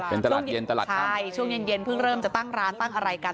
เป็นตลาดเย็นตลาดไทยใช่ช่วงเย็นเย็นเพิ่งเริ่มจะตั้งร้านตั้งอะไรกัน